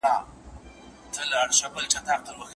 ستاینه چي هضم نه سي غرور زیاتوي او ملامتیا دښمني زیاتوي.